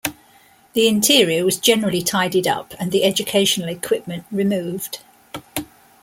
The interior was generally tidied up and the educational equipment removed.